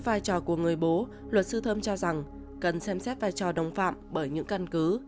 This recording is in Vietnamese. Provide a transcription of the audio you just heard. vai trò của người bố luật sư thơm cho rằng cần xem xét vai trò đồng phạm bởi những căn cứ